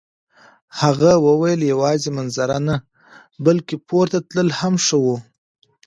هغې وویل یوازې منظره نه، بلکه پورته تلل هم ښه وو.